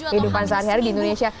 kehidupan sehari hari di indonesia